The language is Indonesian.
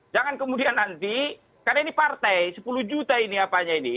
jangan kemudian nanti karena ini partai sepuluh juta ini apanya ini